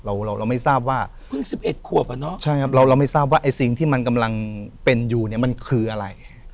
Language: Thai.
เราเราไม่ทราบว่าเพิ่ง๑๑ขวบอ่ะเนอะใช่ครับเราเราไม่ทราบว่าไอ้สิ่งที่มันกำลังเป็นอยู่เนี่ยมันคืออะไร